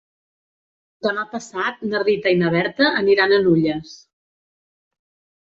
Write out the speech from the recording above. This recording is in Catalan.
Demà passat na Rita i na Berta aniran a Nulles.